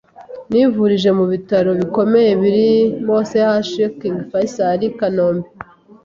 Nivurije mu bitaro bikomeye birimo CHUK, KING FAISAL, KANOMBE,